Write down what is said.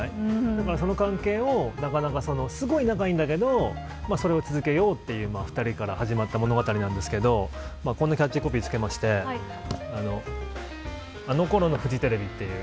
だから、その関係をすごい仲いいんだけどそれを続けようという２人から始まった物語なんですけどこんなキャッチコピーをつけましてあの頃のフジテレビっていう。